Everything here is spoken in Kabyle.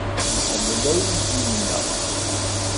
Nḥemmel aydi-nneɣ.